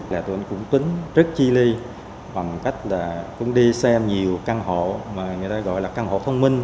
là tôi cũng tính rất chi li bằng cách là cũng đi xem nhiều căn hộ mà người ta gọi là căn hộ thông minh